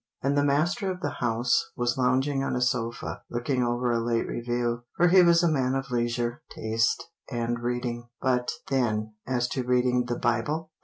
And the master of the house was lounging on a sofa, looking over a late review for he was a man of leisure, taste, and reading but, then, as to reading the Bible!